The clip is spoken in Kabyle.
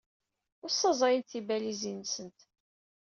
Ur ssaẓyent tibalizin-nsent.